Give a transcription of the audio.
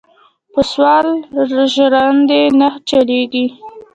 پۀ سوال ژرندې نۀ چلېږي.